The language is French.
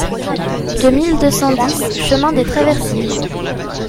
deux mille deux cent dix chemin des Traversiers